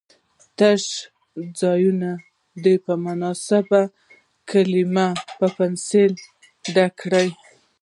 تش ځایونه دې په مناسبو کلمو په پنسل ډک کړي.